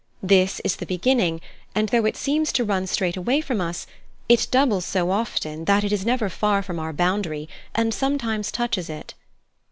This is the beginning, and though it seems to run straight away from us, it doubles so often, that it is never far from our boundary and sometimes touches it."